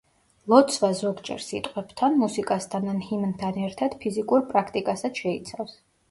ლოცვა ზოგჯერ სიტყვებთან, მუსიკასთან ან ჰიმნთან ერთად ფიზიკურ პრაქტიკასაც შეიცავს.